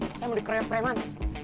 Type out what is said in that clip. saya mau dikroyok preman